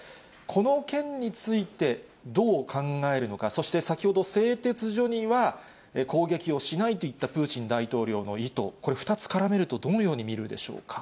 この件について、どう考えるのか、そして先ほど製鉄所には、攻撃をしないといったプーチン大統領の意図、これ、２つ絡めると、どのように見るでしょうか。